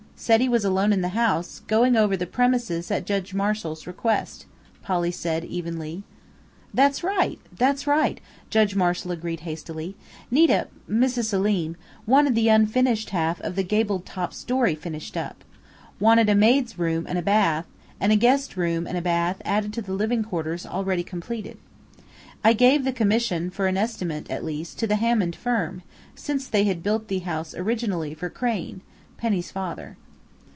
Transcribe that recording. Said he was alone in the house, going over the premises at Judge Marshall's request," Polly said evenly. "That's right that's right!" Judge Marshall agreed hastily. "Nita Mrs. Selim wanted the unfinished half of the gabled top story finished up. Wanted a maid's room and bath, and a guest room and bath added to the living quarters already completed. I gave the commission, for an estimate, at least, to the Hammond firm, since they had built the house originally for Crain Penny's father."